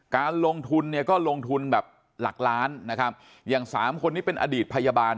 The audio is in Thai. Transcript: การลงทุนเนี่ยก็ลงทุนแบบหลักล้านนะครับอย่างสามคนนี้เป็นอดีตพยาบาล